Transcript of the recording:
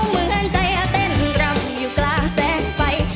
มืออาจจะเต้นกล่ำอยู่กลางแสงไฟ